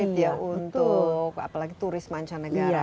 apalagi di daerah favorit ya untuk apalagi turis mancanegara